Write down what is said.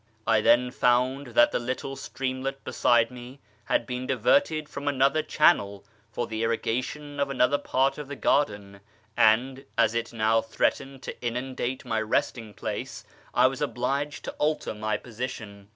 I then found that the little streamlet beside me had been diverted into another channel for the irrigation of another j)art of the garden, and, as it now threatened to inundate my resting place, I was obliged to alter my position.